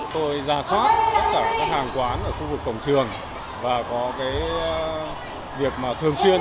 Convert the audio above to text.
tôi ra soát tất cả các hàng quán ở khu vực cổng trường và có việc thường xuyên